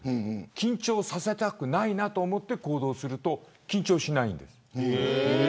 緊張させたくないと思って行動すると、緊張しないんです。